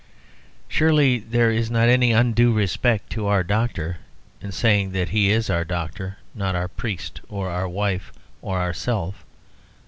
Surely there is not any undue disrespect to our doctor in saying that he is our doctor, not our priest, or our wife, or ourself.